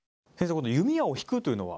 この弓矢を引くというのは？